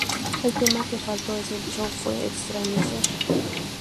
El tema que faltó en el Show fue "Extraño Ser".